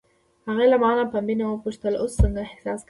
هغې له مانه په مینه وپوښتل: اوس څنګه احساس کوې؟